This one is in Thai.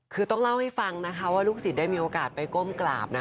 คือต้องเล่าให้ฟังนะคะว่าลูกศิษย์ได้มีโอกาสไปก้มกราบ